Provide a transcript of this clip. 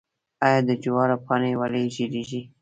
آیا د جوارو پاڼې ولې ژیړیږي؟